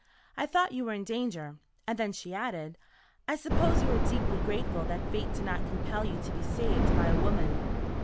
"I thought you were in danger." And then she added, "I suppose you are deeply grateful that fate did not compel you to be saved by a woman."